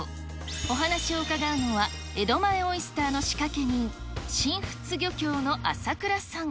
お話を伺うのは、江戸前オイスターの仕掛け人、新富津漁協の浅倉さん。